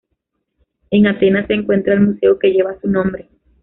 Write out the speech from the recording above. En Atenas se encuentra el museo que lleva su nombre.